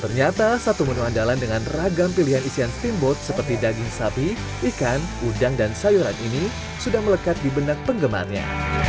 ternyata satu menu andalan dengan ragam pilihan isian steamboat seperti daging sapi ikan udang dan sayuran ini sudah melekat di benak penggemarnya